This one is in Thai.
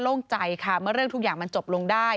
โล่งใจค่ะเมื่อเรื่องทุกอย่างมันจบลงได้